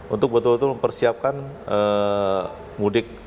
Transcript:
untuk betul betul mempersiapkan mudik